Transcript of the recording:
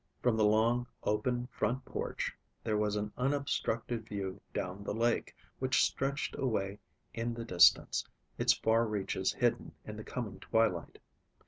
From the long, open front porch, there was an unobstructed view down the lake, which stretched away in the distance, its far reaches hidden in the coming twilight.